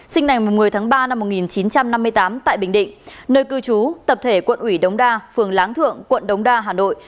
sinh ngày một mươi tháng ba năm một nghìn chín trăm năm mươi tám tại bình định nơi cư trú tập thể quận ủy đống đa phường láng thượng quận đống đa hà nội